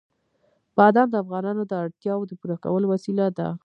بادام د افغانانو د اړتیاوو د پوره کولو وسیله ده.